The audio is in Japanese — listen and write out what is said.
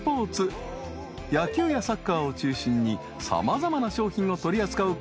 ［野球やサッカーを中心に様々な商品を取り扱う